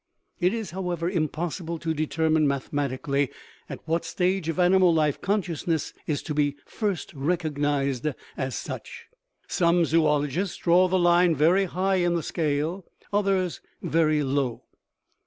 It is, however, impossible to determine mathemati cally at what stage of animal life consciousness is to be first recognized as such. Some zoologists draw the line very high in the scale, others very low.